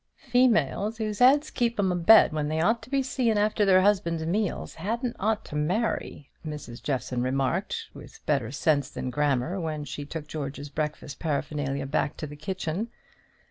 "Females whose headaches keep 'em a bed when they ought to be seeing after their husband's meals hadn't ought to marry," Mrs. Jeffson remarked, with better sense than grammar, when she took George's breakfast paraphernalia back to the kitchen.